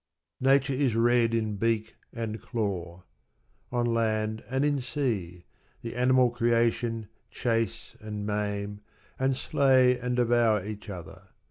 "Nature is red in beak and claw." On land and in sea the animal creation chase and maim, and slay and devour each other.